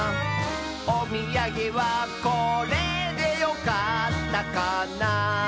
「おみやげはこれでよかったかな」